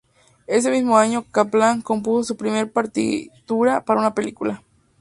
Ese mismo año, Kaplan compuso su primera partitura para una película.